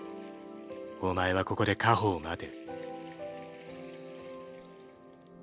お前はここで果報を待て。